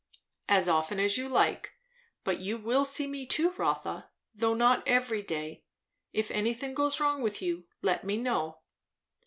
"As often as you like. But you will see me too, Rotha, though not every day. If anything goes wrong with you, let me know."